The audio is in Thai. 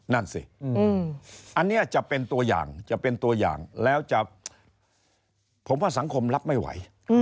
นั่นสิอันนี้จะเป็นตัวอย่างแล้วจะผมว่าสังคมรับไม่ไหว